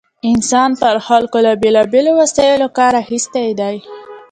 انسان پر خلکو له بېلا بېلو وسایلو کار اخیستی دی.